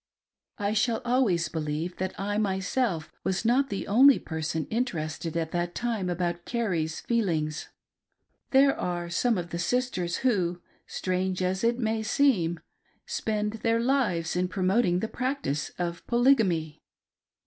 I shall always believe that I myself was not the only person interested at that time about Carrie's feelings. There are some of the sisters who — strange as it may seem — spend their lives in promoting the practice of Polygamy.